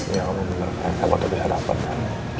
ya om bener saya bakal bisa dapet ya